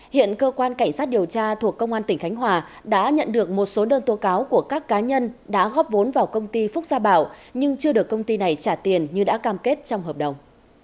hiện cơ quan cảnh sát điều tra thuộc công an tỉnh khánh hòa đã nhận được một số đơn tố cáo của các cá nhân đã góp vốn vào công ty phúc gia bảo nhưng chưa được công ty này trả tiền như đã cam kết trong hợp đồng